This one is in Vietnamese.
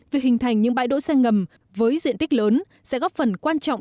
việc hình thành những bãi đỗ xe ngầm với diện tích lớn sẽ góp phần quan trọng